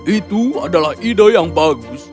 itu adalah ide yang bagus